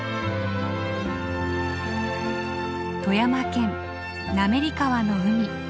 富山県滑川の海。